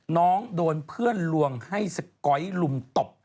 น้องโดนเพื่อนลวงให้สก๊อยลุมตบ